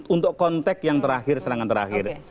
untuk konteks yang terakhir serangan terakhir